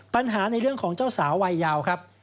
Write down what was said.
ปัญหาในเรื่องของเจ้าสาววัยยาวครับ